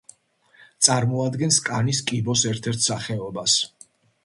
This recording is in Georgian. წარმოადგენს კანის კიბოს ერთ-ერთ სახეობას.